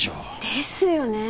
ですよねぇ。